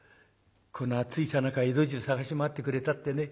この暑いさなか江戸中探し回ってくれたってね。